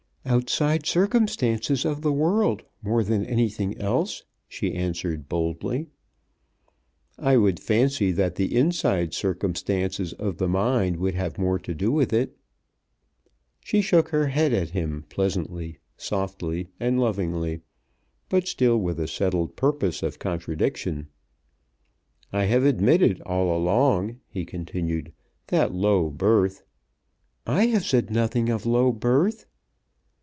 "Outside circumstances of the world more than anything else," she answered, boldly. "I would fancy that the inside circumstances of the mind would have more to do with it." She shook her head at him, pleasantly, softly, and lovingly, but still with a settled purpose of contradiction. "I have admitted all along," he continued, "that low birth " "I have said nothing of low birth!"